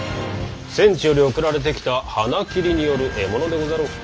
戦地より送られてきた鼻切りによる獲物でござろう。